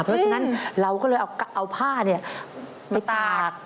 เพราะฉะนั้นเราก็เลยเอาผ้าไปตาก